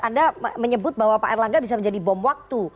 anda menyebut bahwa pak erlangga bisa menjadi bom waktu